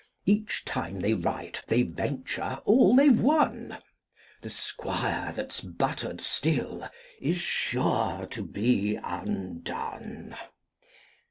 Each time they write they venture all they've won: The Squire that's buttered still, is sure to be undone.